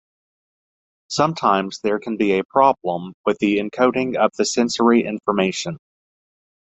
Sometimes there can be a problem with the encoding of the sensory information.